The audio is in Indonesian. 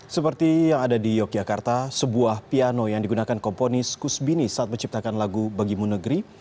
seperti yang ada di yogyakarta sebuah piano yang digunakan komponis kusbini saat menciptakan lagu bagimu negeri